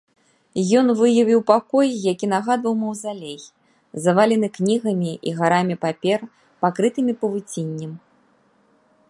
Ён выявіў пакой, які нагадваў маўзалей, завалены кнігамі і гарамі папер, пакрытымі павуціннем.